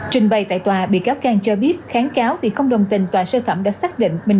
trình bày tại tòa bị cáo cang cho biết kháng cáo vì không đồng tình tòa sơ thẩm đã xác định mình